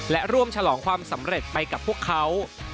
และร่วมฉลองความสำเร็จไปกับพวกเขา